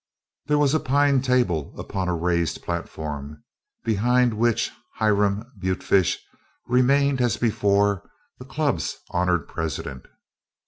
There was a pine table upon a raised platform, behind which Hiram Butefish remained, as before, the Club's honored President.